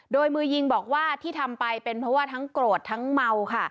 โดยมือยิงบอกว่าที่ทำไปเป็นเพราะว่าทั้งโกรธทั้งเมาค่ะ